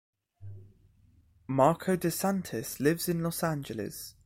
Marko DeSantis lives in Los Angeles.